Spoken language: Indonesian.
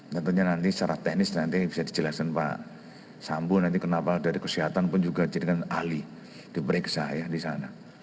tentunya nanti secara teknis nanti bisa dijelaskan pak sambu nanti kenapa dari kesehatan pun juga jadikan ahli diperiksa ya di sana